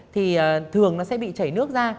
thì thường nó sẽ bị chảy nước ra